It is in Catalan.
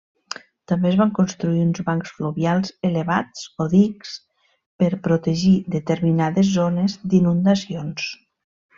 També es van construir uns bancs fluvials elevats o dics, per protegir determinades zones d'inundacions.